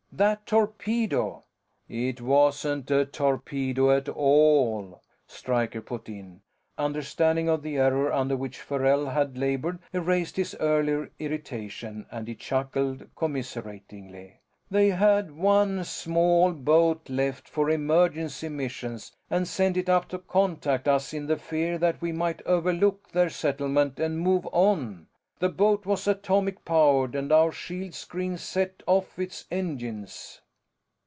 _ That torpedo " "It wasn't a torpedo at all," Stryker put in. Understanding of the error under which Farrell had labored erased his earlier irritation, and he chuckled commiseratingly. "They had one small boat left for emergency missions, and sent it up to contact us in the fear that we might overlook their settlement and move on. The boat was atomic powered, and our shield screens set off its engines."